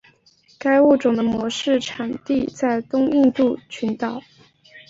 该物种的模式产地在东印度群岛。